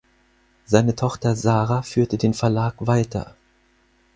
Seine Tochter Sarah führte den Verlag weiter.